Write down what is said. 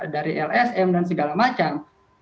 dari lsm dan segala macam